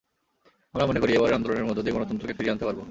আমরা মনে করি, এবারের আন্দোলনের মধ্য দিয়ে গণতন্ত্রকে ফিরিয়ে আনতে পারব।